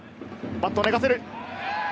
バットを寝かせる。